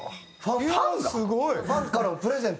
すごい！ファンからのプレゼント？